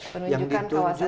penunjukan kawasan hutan